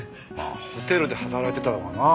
ホテルで働いてたとはなあ。